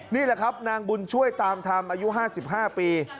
นี่แหละครับนางบุญช่วยตามธรรมอายุ๕๕ปี